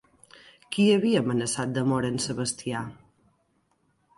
Qui havia amenaçat de mort en Sebastià?